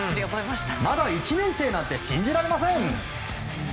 まだ１年生なんて信じられません。